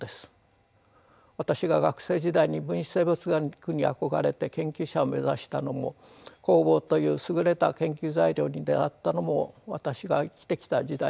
私が学生時代に分子生物学に憧れて研究者を目指したのも酵母という優れた研究材料に出会ったのも私が生きてきた時代を反映しています。